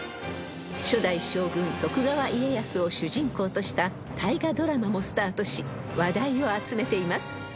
［初代将軍徳川家康を主人公とした大河ドラマもスタートし話題を集めています］